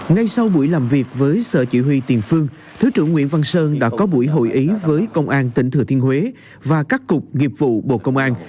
ngay sau buổi làm việc với sở chỉ huy tiền phương thứ trưởng nguyễn văn sơn đã có buổi hội ý với công an tỉnh thừa thiên huế và các cục nghiệp vụ bộ công an